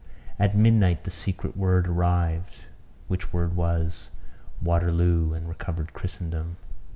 At midnight the secret word arrived; which word was Waterloo and Recovered Christendom!